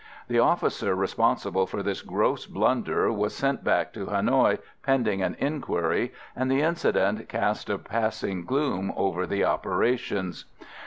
The officer responsible for this gross blunder was sent back to Hanoï, pending an enquiry, and the incident cast a passing gloom over the operations.